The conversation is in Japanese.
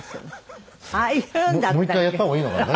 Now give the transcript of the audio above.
もう１回やった方がいいのかな？